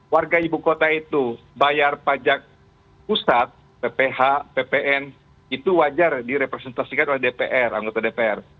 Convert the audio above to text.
warga ibu kota itu bayar pajak pusat pph ppn itu wajar direpresentasikan oleh dpr anggota dpr